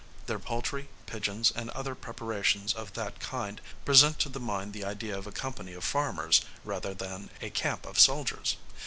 Their poultry, pigeons, and other preparations of that kind, present to the mind the idea of a company of farmers, rather than a camp of soldiers.